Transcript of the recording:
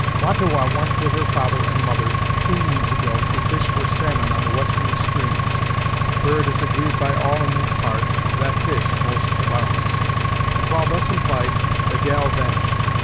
"Wah ta Wah went with her father and mother, two moons ago, to fish for salmon on the western streams, where it is agreed by all in these parts that fish most abounds, and while thus empl'yed the gal vanished.